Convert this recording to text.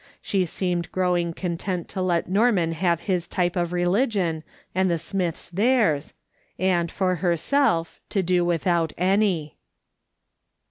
She seemed growing content to let Norman have his type of religion, and the Smiths theirs, and for herself, to do without any.